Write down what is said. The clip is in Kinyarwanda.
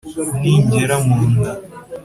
ntingera mu nda